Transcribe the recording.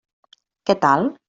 Què tal?